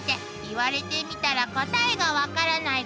「言われてみたら答えが分からない」